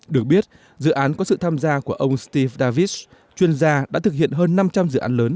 được biết dự án có sự tham gia của ông stevis chuyên gia đã thực hiện hơn năm trăm linh dự án lớn